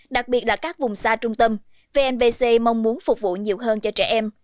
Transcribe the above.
đặc biệt là các vùng xa trung tâm vnpc mong muốn phục vụ nhiều hơn cho trẻ em